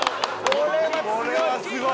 「これはすごい！」